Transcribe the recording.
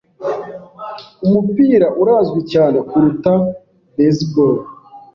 Umupira urazwi cyane kuruta baseball.